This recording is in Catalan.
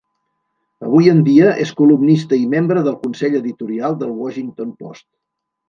Avui en dia és columnista i membre del Consell Editorial del Washington Post.